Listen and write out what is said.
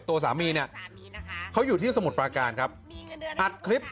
เป็นสะเมียนนะคะเป็นพัฒนางานในออฟฟิศ๒คน